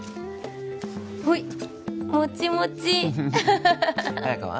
ほいもちもち綾華は？